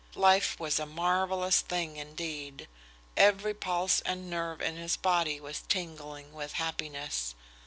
Life was a marvellous thing, indeed. Every pulse and nerve in his body was tingling with happiness.